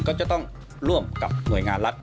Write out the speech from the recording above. ก็จะต้องร่วมกับหน่วยงานรัฐ